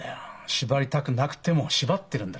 縛りたくなくても縛ってるんだ。